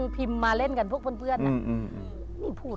พิมพ์มาเล่นกันพวกเพื่อนนี่พูด